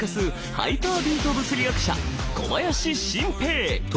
ハイパービート物理学者小林晋平！